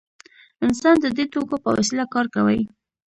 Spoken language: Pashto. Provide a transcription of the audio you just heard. انسان د دې توکو په وسیله کار کوي.